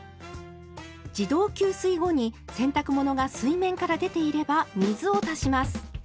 自動給水後に洗濯物が水面から出ていれば水を足します。